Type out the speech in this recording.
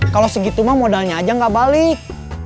kalau segitu mah modalnya aja nggak balik